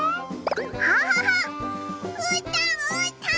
キャハハうーたんうーたん！